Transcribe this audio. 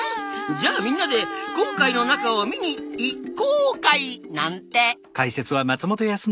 じゃあみんなで紅海の中を見に行こうかいなんて。